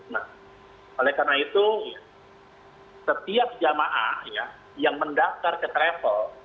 nah oleh karena itu setiap jamaah ya yang mendaftar ke travel